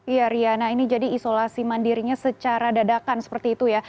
iya riana ini jadi isolasi mandirinya secara dadakan seperti itu ya